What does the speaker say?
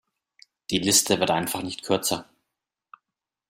Die Liste wird einfach nicht kürzer.